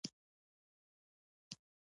د بغاوت او لطافت د ناویلو پسرلیو د لفظونو،